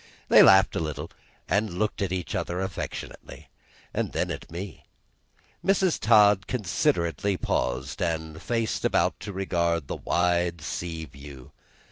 They laughed a little, and looked at each other affectionately, and then at me. Mrs. Todd considerately paused, and faced about to regard the wide sea view.